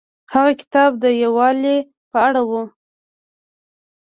هغه کتاب د یووالي په اړه و.